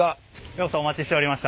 ようこそお待ちしておりました。